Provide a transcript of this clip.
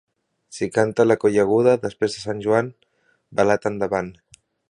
Si canta la cogullada després de Sant Joan, blat endavant.